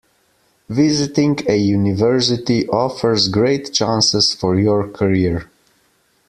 Visiting a university offers great chances for your career.